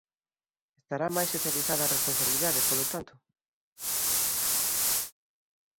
Estará máis socializada a responsabilidade, polo tanto?